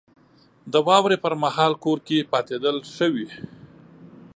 • د واورې پر مهال کور کې پاتېدل ښه وي.